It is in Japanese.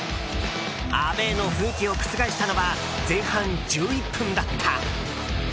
アウェーの雰囲気を覆したのは前半１１分だった。